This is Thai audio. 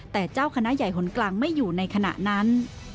แต่เจ้าคณะใหญ่หนกลางไม่อยู่ในขณะนั้น